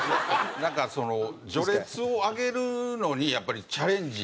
なんかその序列を上げるのにやっぱりチャレンジ